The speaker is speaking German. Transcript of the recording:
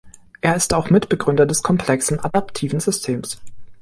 Er ist auch Mitbegründer des komplexen adaptiven Systems.